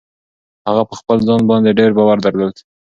هغه په خپل ځان باندې ډېر باور درلود.